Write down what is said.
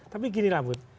tapi gini lah bud